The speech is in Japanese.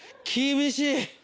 厳しい！